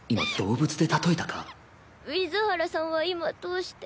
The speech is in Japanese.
水原さんは今どうして？